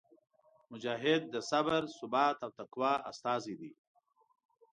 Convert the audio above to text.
مجاهد د صبر، ثبات او تقوا استازی دی.